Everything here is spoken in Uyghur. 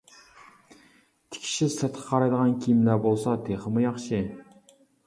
تىكىشى سىرتقا قارايدىغان كىيىملەر بولسا تېخىمۇ ياخشى.